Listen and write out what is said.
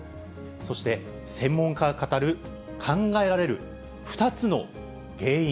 そして、専門家が語る考えられる２つの原因。